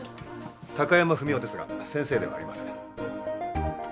高山文夫ですが先生ではありません。